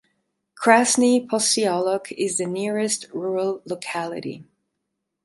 Krasny Posyolok is the nearest rural locality.